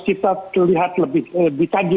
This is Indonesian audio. kita lihat lebih tadi